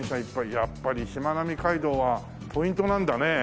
やっぱりしまなみ海道はポイントなんだね。